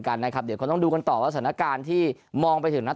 กันนะครับเดี๋ยวคงต้องดูกันต่อว่าสถานการณ์ที่มองไปถึงนัก